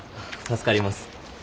助かります。